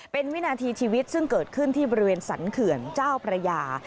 เป็นวินาทีชีวิตซึ่งเกิดขึ้นที่บริเวณสรรเขื่อนเจ้าพระยา